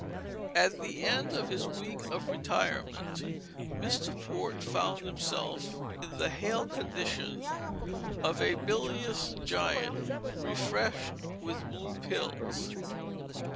At the end of his week of retirement, Mr. Port found himself in the hale condition of a bilious giant refreshed with blue pills.